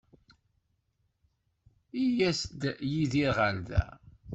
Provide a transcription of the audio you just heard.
I yas-d Yidir ɣer da?